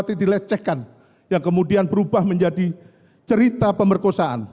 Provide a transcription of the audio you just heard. putri candrawati dilecehkan yang kemudian berubah menjadi cerita pemerkosaan